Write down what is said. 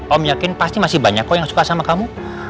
om yakin pasti masih banyak kok yang suka sama kamu